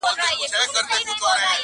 هره ورځ به درلېږي سل رحمتونه-